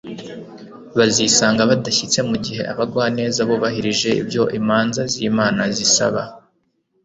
bazisanga badashyitse, mu gihe abagwaneza bubahirije ibyo imanza z'imana zisaba